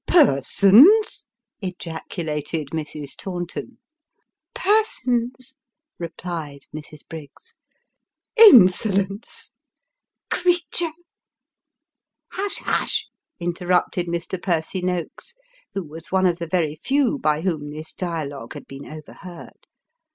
' Persons !" ejaculated Mrs. Taunton. ' Persons," replied Mrs. Briggs. ' Insolence !"' Creature !' Hush ! hush !" interrupted Mr. Percy Noakes, who was one of the very few by whom this dialogue had been overheard.